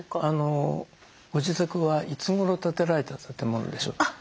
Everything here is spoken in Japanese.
ご自宅はいつごろ建てられた建物でしょうか？